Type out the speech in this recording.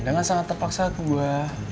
jangan sangat terpaksa ke gue